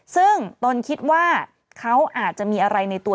ซึ่งตนคิดว่าเขาอาจจะมีอะไรในตัว